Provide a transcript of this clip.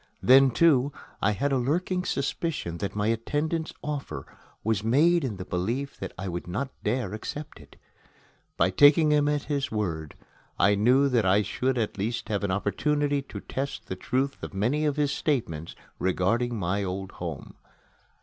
Then, too, I had a lurking suspicion that my attendant's offer was made in the belief that I would not dare accept it. By taking him at his word, I knew that I should at least have an opportunity to test the truth of many of his statements regarding my old home.